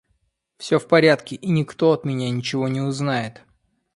Все в порядке, и никто от меня ничего не узнает».